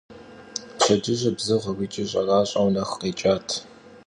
Pşedcıjır bzığeu yiç'i ş'eraş'eu nexu khêç'at.